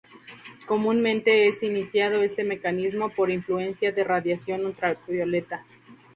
Comúnmente es iniciado este mecanismo por influencia de radiación ultravioleta.